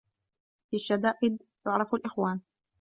في الشدائد يعرف الإخوان